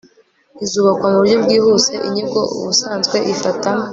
izubakwa mu buryo bwihuse inyigo ubusanzwe ifata